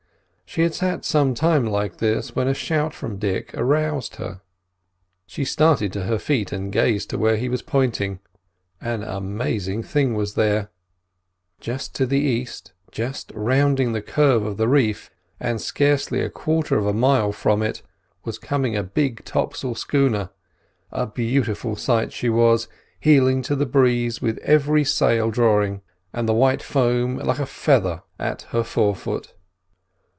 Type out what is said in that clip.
She had sat some time like this when a shout from Dick aroused her. She started to her feet and gazed to where he was pointing. An amazing thing was there. To the east, just rounding the curve of the reef, and scarcely a quarter of a mile from it, was coming a big topsail schooner; a beautiful sight she was, heeling to the breeze with every sail drawing, and the white foam like a feather at her fore foot.